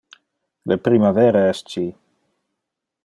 Le primavera es ci.